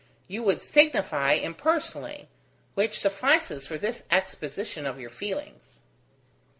You would signify, impersonally: which suffices for this exposition of your feelings."